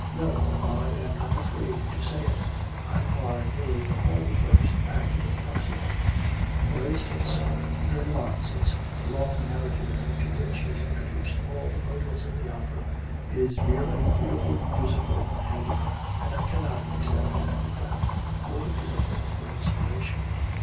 No, I'm not afraid to say it, I bar nearly the whole first act of Parsifal. For instance, Gurnemanz's long narrative, into which is introduced all the motives of the opera is merely beautiful musical handicraft, and I cannot accept handicraft, however beautiful, for inspiration.